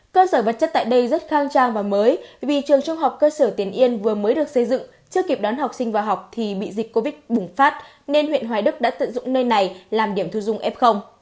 cơ sở vật chất tại đây rất khang trang và mới vì trường trung học cơ sở tiền yên vừa mới được xây dựng chưa kịp đón học sinh vào học thì bị dịch covid bùng phát nên huyện hoài đức đã tận dụng nơi này làm điểm thu dung f